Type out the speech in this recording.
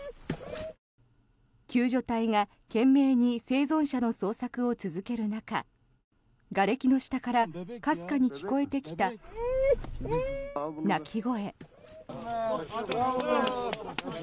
救助隊が懸命に生存者の捜索を続ける中がれきの下からかすかに聞こえてきた泣き声。